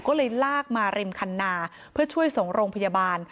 ก็เลยลากมาริมคันนาเพื่อช่วยส่งโรงพยาบาล